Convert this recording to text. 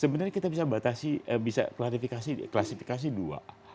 sebenarnya kita bisa batasi bisa klasifikasi klasifikasi dua